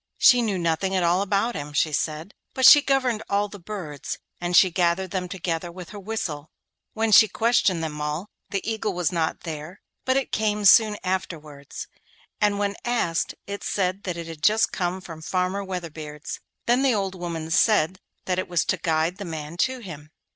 She knew nothing at all about him, she said, but she governed all the birds; and she gathered them together with her whistle. When she questioned them all, the eagle was not there, but it came soon afterwards, and when asked, it said that it had just come from Farmer Weatherbeard's. Then the old woman said that it was to guide the man to him.